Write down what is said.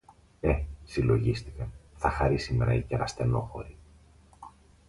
Ε, συλλογίστηκα, θα χαρεί σήμερα η κεραστενόχωρη